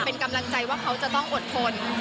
เป็นกำลังใจว่าเขาจะต้องอดทน